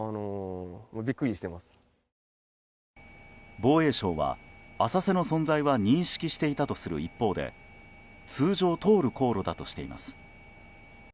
防衛省は、浅瀬の存在は認識していたとする一方で通常通る航路だとしています。